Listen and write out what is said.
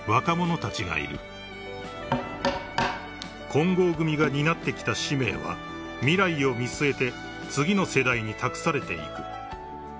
［金剛組が担ってきた使命は未来を見据えて次の世代に託されていく］